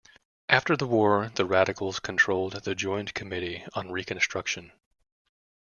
After the war the Radicals controlled the Joint Committee on Reconstruction.